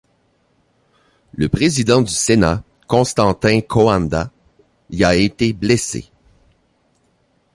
Le président du Sénat, Constantin Coandă, y a été blessé.